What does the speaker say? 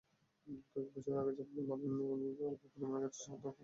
কয়েক বছর আগে জার্মানির বার্লিন বিমানবন্দরে অল্প পরিমাণ গাঁজাসহ ধরা পড়েন তিনি।